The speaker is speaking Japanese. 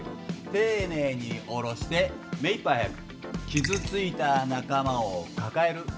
丁寧に下ろして目いっぱい速く。